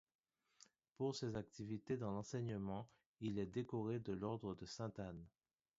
Pour ses activités dans l'enseignement il est décoré de l'Ordre de Sainte-Anne.